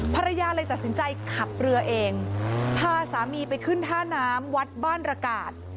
ภรรยาเลยตัดสินใจขับเรือเองพาสามีไปขึ้นท่าน้ำวัดบ้านระกาศ